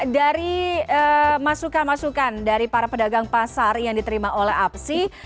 dari masukan masukan dari para pedagang pasar yang diterima oleh apsi